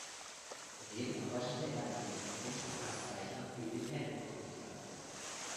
Daneben arbeitete er gelegentlich auch als Zeichner für Independent-Comic-Verlage.